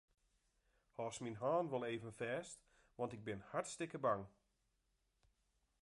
Hâldst myn hân wol even fêst, want ik bin hartstikke bang.